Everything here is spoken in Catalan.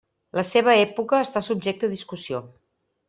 La seva època està subjecta a discussió.